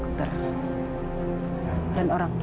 ke rumah mama kamu